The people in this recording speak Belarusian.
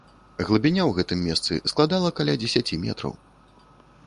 Глыбіня ў гэтым месцы складала каля дзесяці метраў.